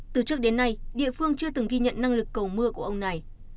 từ trước đến nay địa phương chưa từng ghi nhận năng lực cầu mưa của ông này